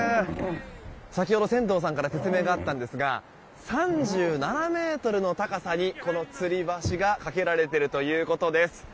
先ほど船頭さんから説明があったんですが３７ｍの高さに、このつり橋が架けられているということです。